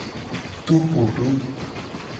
Topodo.